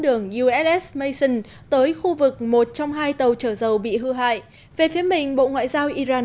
đường uss mason tới khu vực một trong hai tàu chở dầu bị hư hại về phía mình bộ ngoại giao iran